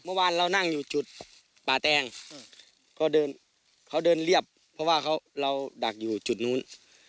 เมื่อวานเรานั่งอยู่จุดป่าแตงก็เดินเขาเดินเรียบเพราะว่าเราดักอยู่จุดนู้น